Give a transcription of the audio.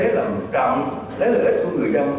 là một trạm lợi ích của người dân